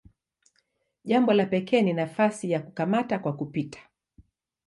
Jambo la pekee ni nafasi ya "kukamata kwa kupita".